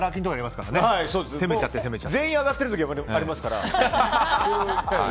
全員上がってる時ありますから。